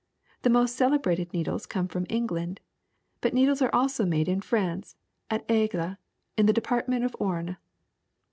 The most celebrated needles come from England, but needles are also made in France, at Aigle in the de partment of Oriie.'